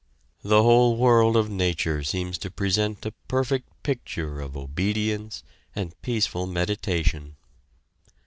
The whole world of nature seems to present a perfect picture of obedience and peaceful meditation.